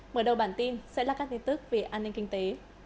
mở đầu bản tin sẽ là các tin tức về an ninh kinh tế